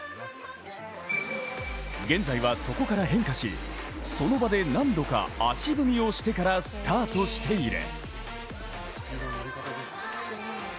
現在はそこから変化しその場で何度か足踏みをしてからスタートしている。